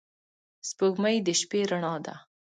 • سپوږمۍ د شپې رڼا ده.